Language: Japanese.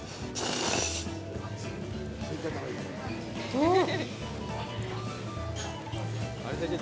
うん！